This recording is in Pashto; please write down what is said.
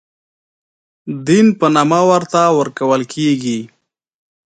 دین په نامه ورته ورکول کېږي.